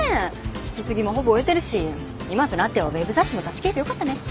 引き継ぎもほぼ終えてるし今となってはウェブ雑誌も立ち消えてよかったね。